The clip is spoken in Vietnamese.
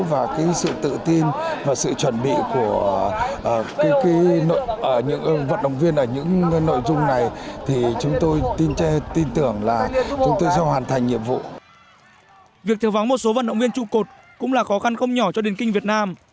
việc thiếu vắng một số vận động viên trụ cột cũng là khó khăn không nhỏ cho điền kinh việt nam